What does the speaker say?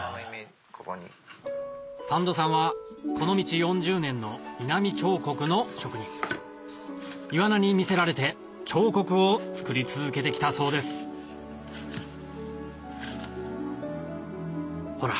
谷戸さんはこの道４０年の井波彫刻の職人イワナに魅せられて彫刻を作り続けて来たそうですほら！